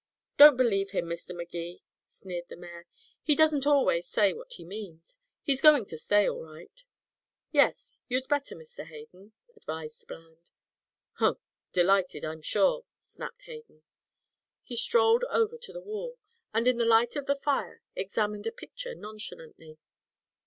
"Don't believe him, Mr. Magee," sneered the mayor, "he doesn't always say what he means. He's going to stay, all right." "Yes, you'd better, Mr. Hayden," advised Bland. "Huh delighted, I'm sure," snapped Hayden. He strolled over to the wall, and in the light of the fire examined a picture nonchalantly.